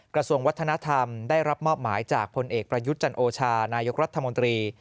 กระทรวงวัฒนธรรมได้รับมอบหมายจากพลเอกประยุทธ์จันโอชานายกรัฐมนตรี